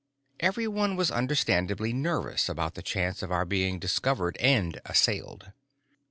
Everyone was understandably nervous about the chance of our being discovered and assailed.